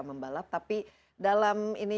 membalap tapi dalam